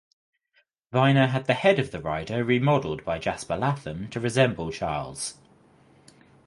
Vyner had the head of the rider remodelled by Jasper Latham to resemble Charles.